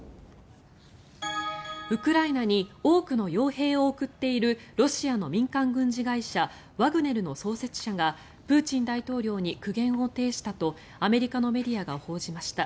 ウクライナに多くの傭兵を送っているロシアの民間軍事会社ワグネルの創設者がプーチン大統領に苦言を呈したとアメリカのメディアが報じました。